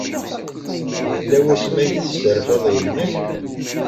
Yella wasmi ay tesserfaḍ yemma-k?